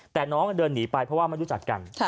แต่น้องเดินหนีไปเพราะว่าไม่รู้จักกัน